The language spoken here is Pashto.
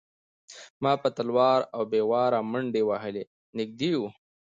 ما په تلوار او بې واره منډې وهلې نږدې و.